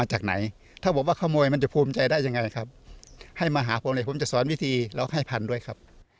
สิวะตั้งไหนผมจะสอนวิธีและให้พันธุ์ด้วยครับ